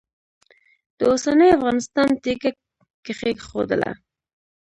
د اوسني افغانستان تیږه کښېښودله.